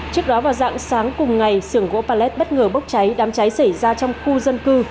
trước đó vào dạng sáng cùng ngày sườn gỗ pallet bất ngờ bốc cháy đám cháy xảy ra trong khu dân cư